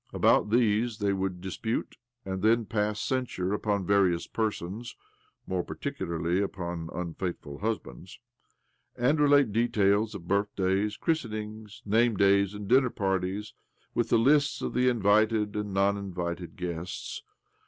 About these they would dispute, and then pass censure upon various persons (more particularly upon unfaithful hus bands), and relate details of birthdays, christenings, namedays, and dinner parties. OBLOMOV 139 with the lists of the invited and non invited guests.